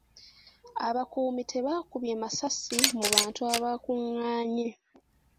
Abakuumi tebaakubye masasi mu bantu abaakungaanye.